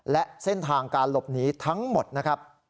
และเส้นทางการหลบหนีทั้งหมดนะครับ